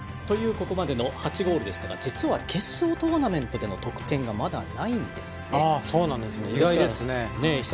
というここまでの８ゴールでしたが実は実は決勝トーナメントでの戦いがないんですね。